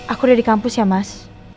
aku udah di kampus ya mas